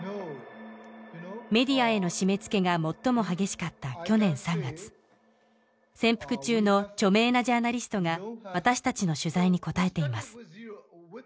メディアへの締めつけが最も激しかった去年３月潜伏中の著名なジャーナリストが私たちの取材に答えています